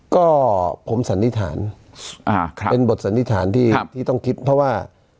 ก็ผมสันนิษฐานเป็นบทสันนิษฐานที่ต้องคิดเพราะว่า